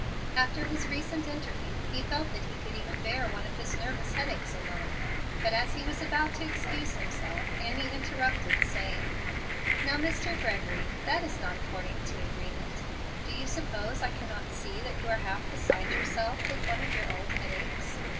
After his recent interview he felt that he could even bear one of his nervous headaches alone. But as he was about to excuse himself, Annie interrupted, saying, "Now, Mr. Gregory, that is not according to agreement. Do you suppose I cannot see that you are half beside yourself with one of your old headaches?